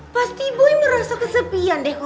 pasti boy merasa kesepian deh kalo mereka ga ada